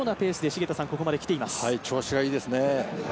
調子がいいですね。